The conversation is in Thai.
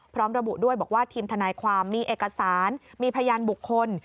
พร้อมระบุด้วยบอกว่าทีมทนายความมีเอกสารมีพยานบุคคล